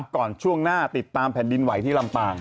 ก่อนช่วงหน้าติดตามแผ่นดินไหวที่ลำปาง